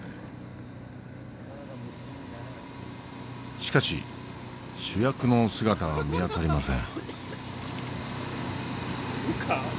しかし主役の姿が見当たりません。